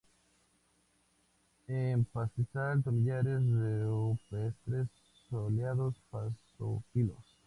En pastizal-tomillares rupestres soleados basófilos.